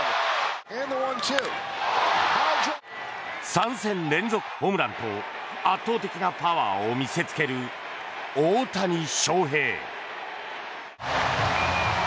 ３戦連続ホームランと圧倒的なパワーを見せつける大谷翔平。